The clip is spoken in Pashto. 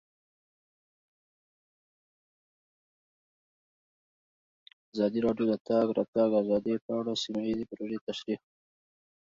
ازادي راډیو د د تګ راتګ ازادي په اړه سیمه ییزې پروژې تشریح کړې.